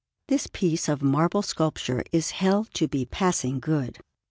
This piece of marble sculpture is held to be passing good.